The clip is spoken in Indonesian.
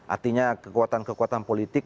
artinya kekuatan kekuatan politik